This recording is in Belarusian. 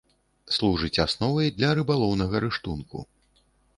Служыць асновай для рыбалоўнага рыштунку.